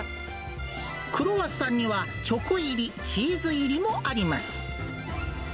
クロワッサンにはチョコ入り、チーズ入りもあります。